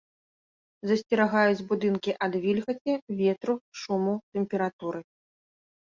Засцерагаюць будынкі ад вільгаці, ветру, шуму, тэмпературы.